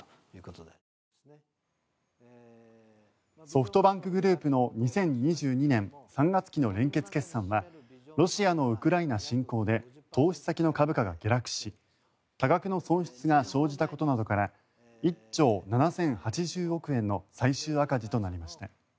ソフトバンクグループの２０２２年３月期の連結決算はロシアのウクライナ侵攻で投資先の株価が下落し多額の損失が生じたことなどから１兆７０８０億円の最終赤字となりました。